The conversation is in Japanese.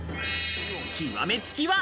極め付きは。